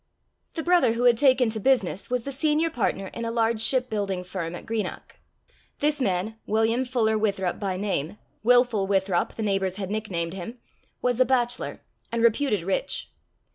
The brother who had taken to business, was the senior partner in a large ship building firm at Greenock. This man, William Fuller Withrop by name Wilful Withrop the neighbours had nicknamed him was a bachelor, and reputed rich.